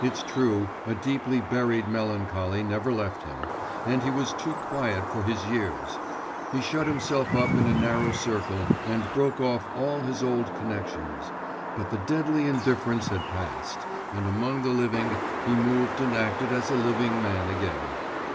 It's true, a deeply buried melancholy never left him, and he was too quiet for his years; he shut himself up in a narrow circle and broke off all his old connections ... but the deadly indifference had passed, and among the living he moved and acted as a living man again.